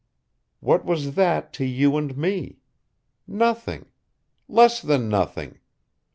What was that to you and me? Nothing. Less than nothing.